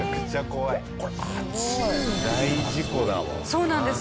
そうなんです。